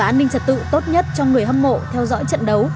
an ninh trật tự tốt nhất cho người hâm mộ theo dõi trận đấu